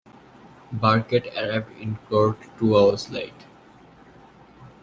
Birkett arrived in court two hours late.